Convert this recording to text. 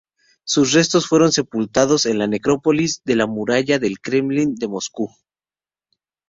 Sus restos fueron sepultados en la necrópolis de la Muralla del Kremlin de Moscú.